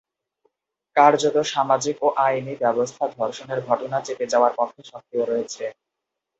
কার্যতঃ সামাজিক ও আইনী ব্যবস্থা ধর্ষণের ঘটনা চেপে যাওয়ার পক্ষে সক্রিয় রয়েছে।